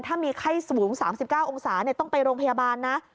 ถ้ามีไข้สูง๓๙องศาต้องไปโรงพยาบาลนะ